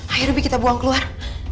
ayo ruby kita buang keluar